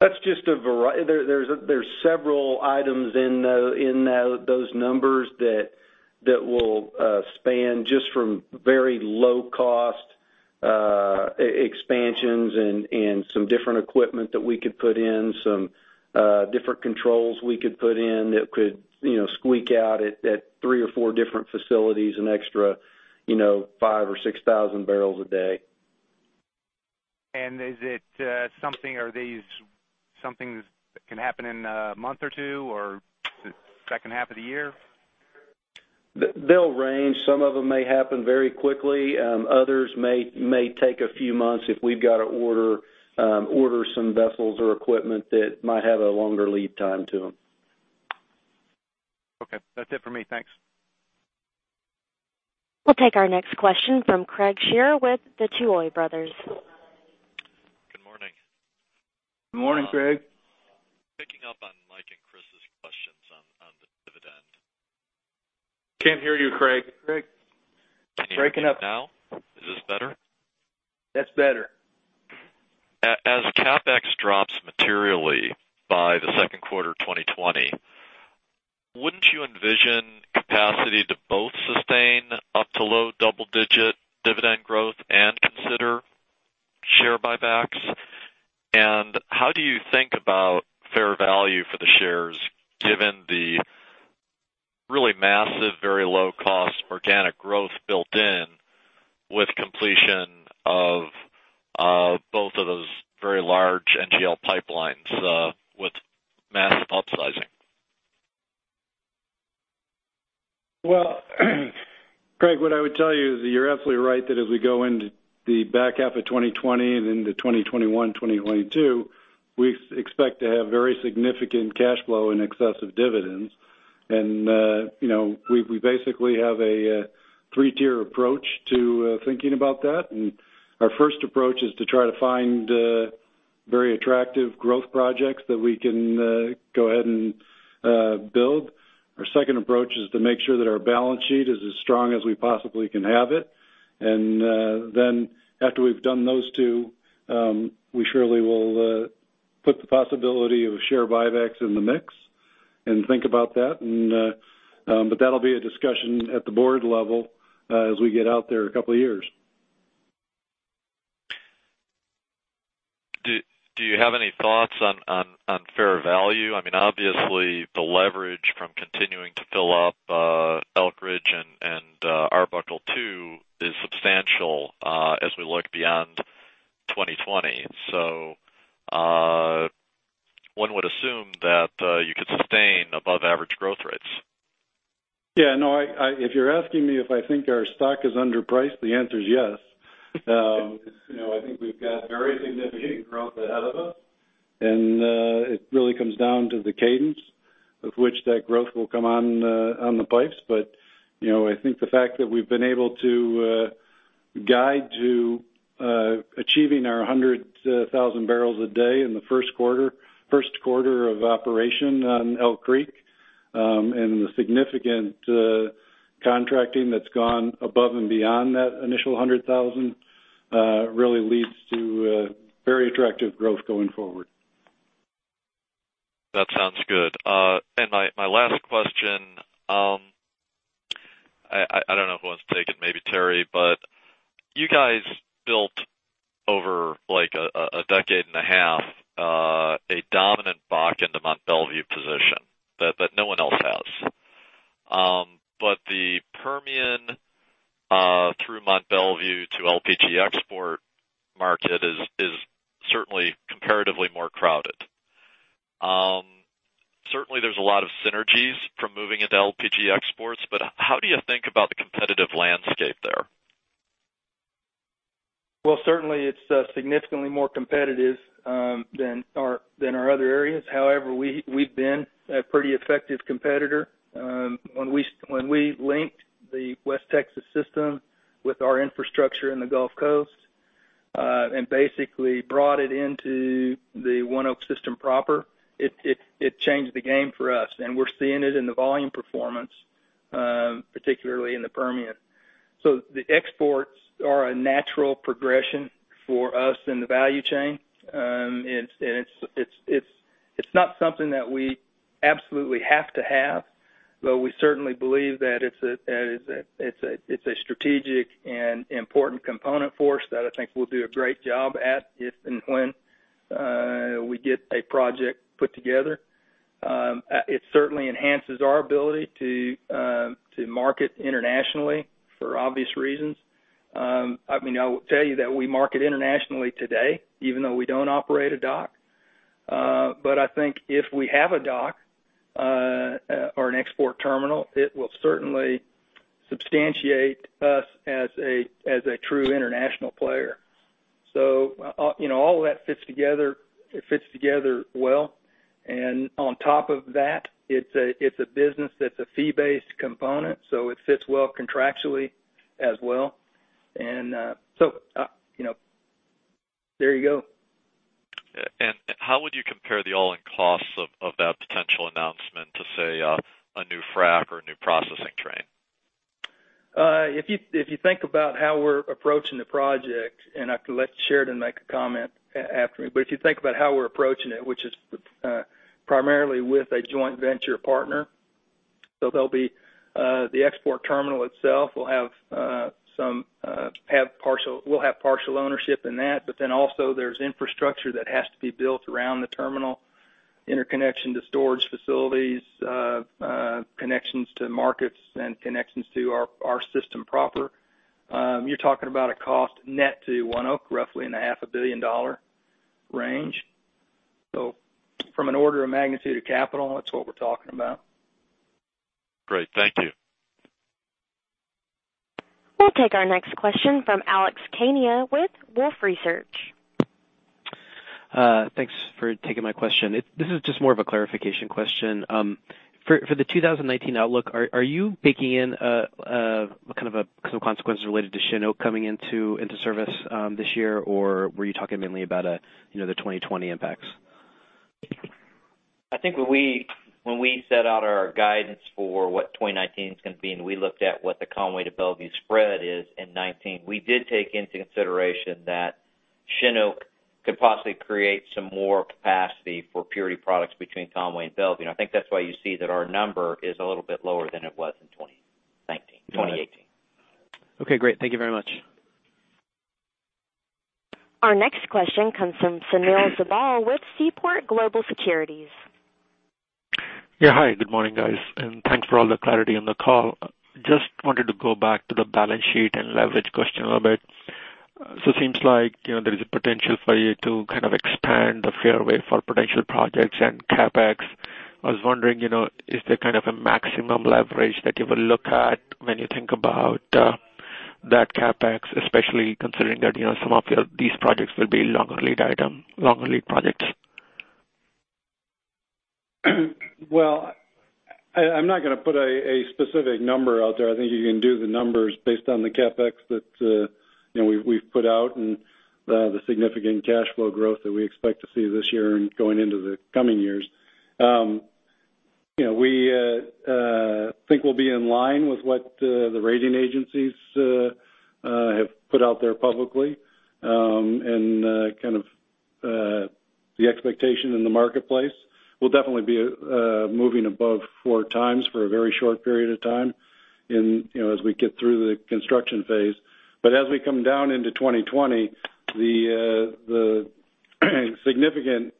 There's several items in those numbers that will span just from very low cost expansions and some different equipment that we could put in, some different controls we could put in that could squeak out at three or four different facilities, an extra 5,000 or 6,000 barrels a day. Are these something that can happen in a month or two or second half of the year? They'll range. Some of them may happen very quickly. Others may take a few months if we've got to order some vessels or equipment that might have a longer lead time to them. Okay. That's it for me. Thanks. We'll take our next question from Craig Shere with the Tuohy Brothers. Good morning. Good morning, Craig. Picking up on Mike and Chris's questions on the dividend. Can't hear you, Craig. Craig. Breaking up. Can you hear me now? Is this better? That's better. As CapEx drops materially by the second quarter 2020, wouldn't you envision capacity to both sustain up to low double-digit dividend growth and consider share buybacks? How do you think about fair value for the shares, given the really massive, very low-cost organic growth built in with completion of both of those very large NGL pipelines with massive upsizing? Well, Craig, what I would tell you is that you're absolutely right that as we go into the back half of 2020 and into 2021, 2022, we expect to have very significant cash flow in excess of dividends. We basically have a 3-tier approach to thinking about that. Our first approach is to try to find very attractive growth projects that we can go ahead and build. Our second approach is to make sure that our balance sheet is as strong as we possibly can have it. Then after we've done those two, we surely will put the possibility of share buybacks in the mix and think about that. That'll be a discussion at the board level as we get out there a couple of years. Do you have any thoughts on fair value? Obviously, the leverage from continuing to fill up Elk Creek and Arbuckle II is substantial as we look beyond 2020. One would assume that you could sustain above average growth rates. Yeah. If you're asking me if I think our stock is underpriced, the answer is yes. I think we've got very significant growth ahead of us, and it really comes down to the cadence of which that growth will come on the pipes. I think the fact that we've been able to guide to achieving our 100,000 barrels a day in the first quarter of operation on Elk Creek, and the significant contracting that's gone above and beyond that initial 100,000 really leads to very attractive growth going forward. That sounds good. My last question, I don't know who wants to take it, maybe Terry, you guys-Over a decade and a half, a dominant Bakken into Mont Belvieu position that no one else has. The Permian through Mont Belvieu to LPG export market is certainly comparatively more crowded. Certainly, there's a lot of synergies from moving into LPG exports, how do you think about the competitive landscape there? Well, certainly it's significantly more competitive than our other areas. However, we've been a pretty effective competitor. When we linked the West Texas system with our infrastructure in the Gulf Coast, basically brought it into the ONEOK system proper, it changed the game for us, and we're seeing it in the volume performance, particularly in the Permian. The exports are a natural progression for us in the value chain. It's not something that we absolutely have to have, though we certainly believe that it's a strategic and important component for us that I think we'll do a great job at if and when we get a project put together. It certainly enhances our ability to market internationally for obvious reasons. I will tell you that we market internationally today, even though we don't operate a dock. I think if we have a dock or an export terminal, it will certainly substantiate us as a true international player. All of that fits together well, and on top of that, it's a business that's a fee-based component, so it fits well contractually as well. There you go. How would you compare the all-in costs of that potential announcement to, say, a new frac or a new processing train? If you think about how we're approaching the project, and I could let Sheridan make a comment after me, but if you think about how we're approaching it, which is primarily with a joint venture partner. There'll be the export terminal itself. We'll have partial ownership in that. Also there's infrastructure that has to be built around the terminal, interconnection to storage facilities, connections to markets, and connections to our system proper. You're talking about a cost net to ONEOK, roughly in a half a billion-dollar range. From an order of magnitude of capital, that's what we're talking about. Great. Thank you. We'll take our next question from Alex Kania with Wolfe Research. Thanks for taking my question. This is just more of a clarification question. For the 2019 outlook, are you baking in some consequences related to Cheniere coming into service this year? Or were you talking mainly about the 2020 impacts? I think when we set out our guidance for what 2019 is going to be, we looked at what the Conway to Belvieu spread is in 2019, we did take into consideration that Cheniere could possibly create some more capacity for purity products between Conway and Belvieu, I think that's why you see that our number is a little bit lower than it was in 2018. Okay, great. Thank you very much. Our next question comes from Sunil Sibal with Seaport Global Securities. Yeah. Hi, good morning, guys, and thanks for all the clarity on the call. Just wanted to go back to the balance sheet and leverage question a little bit. Seems like there is a potential for you to kind of expand the fairway for potential projects and CapEx. I was wondering, is there kind of a maximum leverage that you will look at when you think about that CapEx, especially considering that some of these projects will be longer lead items, longer lead projects? Well, I'm not going to put a specific number out there. I think you can do the numbers based on the CapEx that we've put out and the significant cash flow growth that we expect to see this year and going into the coming years. We think we'll be in line with what the rating agencies have put out there publicly, and kind of the expectation in the marketplace. We'll definitely be moving above four times for a very short period of time as we get through the construction phase. As we come down into 2020, the significant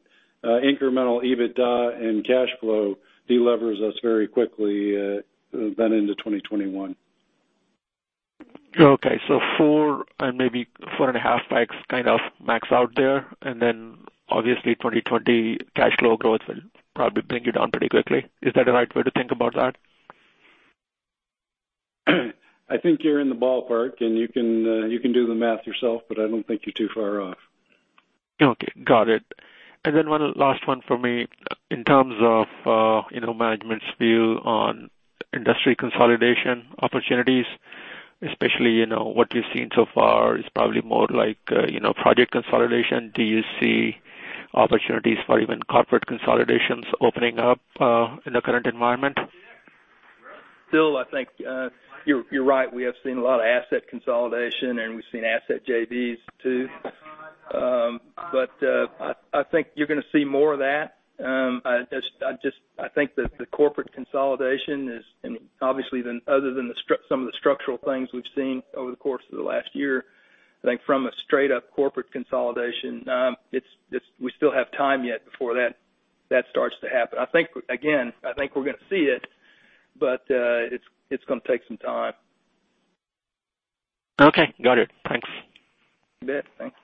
incremental EBITDA and cash flow de-levers us very quickly then into 2021. Okay. Four and maybe four and a half pipes kind of max out there, and then obviously 2020 cash flow growth will probably bring you down pretty quickly. Is that a right way to think about that? I think you're in the ballpark, and you can do the math yourself, but I don't think you're too far off. Okay. Got it. One last one for me. In terms of management's view on industry consolidation opportunities, especially what we've seen so far is probably more like project consolidation. Do you see opportunities for even corporate consolidations opening up in the current environment? Still, I think, you're right. We have seen a lot of asset consolidation, and we've seen asset JVs too. I think you're going to see more of that. I think that the corporate consolidation is obviously other than some of the structural things we've seen over the course of the last year. I think from a straight-up corporate consolidation, we still have time yet before that starts to happen. Again, I think we're going to see it, but it's going to take some time. Okay, got it. Thanks. You bet. Thanks.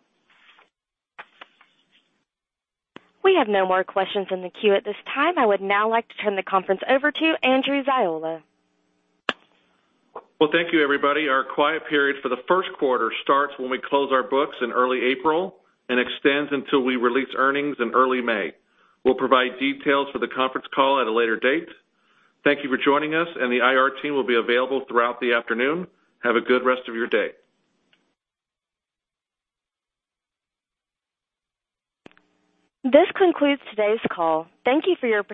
We have no more questions in the queue at this time. I would now like to turn the conference over to Andrew Ziola. Well, thank you, everybody. Our quiet period for the first quarter starts when we close our books in early April and extends until we release earnings in early May. We'll provide details for the conference call at a later date. Thank you for joining us, and the IR team will be available throughout the afternoon. Have a good rest of your day. This concludes today's call. Thank you for your participation.